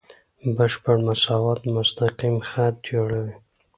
بشپړ مساوات مستقیم خط جوړوي.